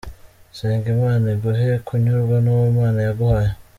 Senga imana iguhe kunyurwa n’uwo Imana yaguhaye.